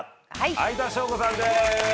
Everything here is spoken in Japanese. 相田翔子さんです。